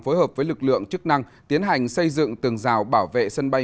phối hợp với lực lượng chức năng tiến hành xây dựng tường rào bảo vệ sân bay